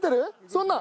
そんな！